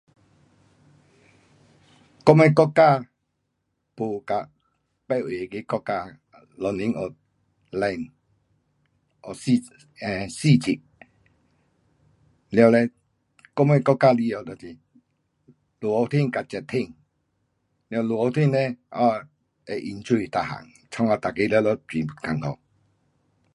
我们国家没跟别位那个国家一年有冷，有四，呃，四季，了嘞我们国家里下就是落雨天跟热天。了落雨天嘞会淹水每样，弄到每个全部很困苦。